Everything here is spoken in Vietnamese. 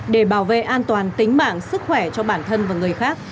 để bảo vệ an toàn tính mạng sức khỏe cho bản thân và người khác